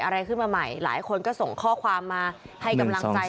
อะไรขึ้นมาใหม่หลายคนก็ส่งข้อความมาให้กำลังใจ